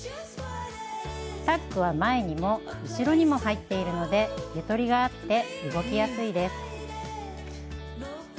タックは前にも後ろにも入っているのでゆとりがあって動きやすいです。